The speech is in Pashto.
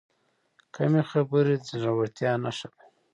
کمې خبرې، د زړورتیا نښه ده.